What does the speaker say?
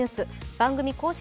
番組公式